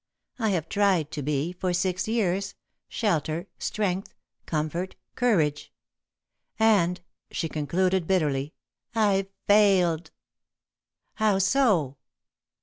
I have tried to be, for six years, shelter, strength, comfort, courage. And," she concluded bitterly, "I've failed." "How so?"